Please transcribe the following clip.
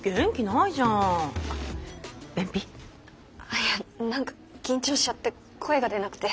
いえ何か緊張しちゃって声が出なくて。